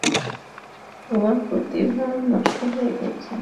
তোমার প্রতিভা নষ্ট হয়ে গেছে।